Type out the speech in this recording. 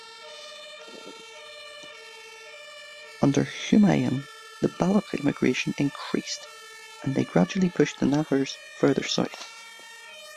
Under Humayun the Baloch immigration increased, and they gradually pushed the Nahars farther south.